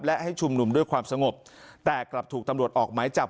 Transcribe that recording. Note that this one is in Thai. และให้ชุมนุมด้วยความสงบแต่กลับถูกตำรวจออกหมายจับ